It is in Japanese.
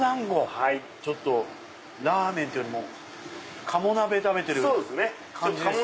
ちょっとラーメンというよりも鴨鍋食べてる感じですね。